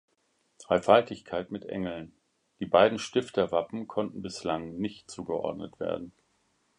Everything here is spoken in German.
Dreifaltigkeit mit Engeln; die beiden Stifterwappen konnten bislang nicht zugeordnet werden.